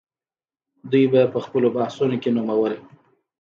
دوی به په خپلو بحثونو کې نومول.